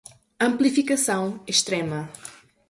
Amplificação extrema